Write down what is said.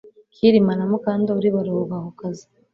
Kirima na Mukandoli baruhuka ku kazi